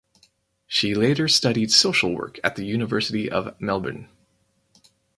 She later studied social work at the University of Melbourne.